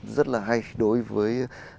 rất là hay đối với